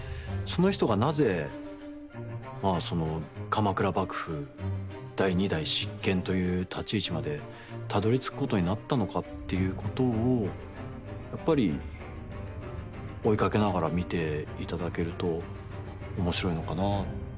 その人がなぜ鎌倉幕府第二代執権という立ち位置までたどりつくことになったのかっていうことをやっぱり追いかけながら見ていただけるとおもしろいのかな。